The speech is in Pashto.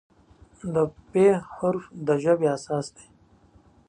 د "پ" حرف د ژبې اساس دی.